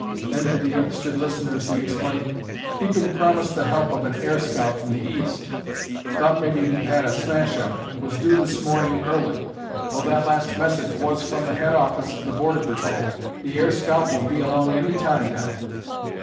Then to the interested listeners, he explained, "He'd been promised the help of an air scout from the East; thought maybe he'd had a smashup; was due this morning early. Well, that last message was from the head office of the border patrol. The air scout will be along any time now."